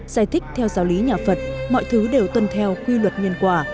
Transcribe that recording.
giải thích theo giáo lý nhà phật mọi thứ đều tuân theo quy luật nhân quả